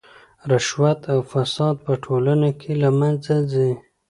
رشوت او فساد په ټولنه کې له منځه ځي.